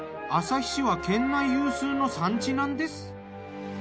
旭市は県内有数の産地なんです。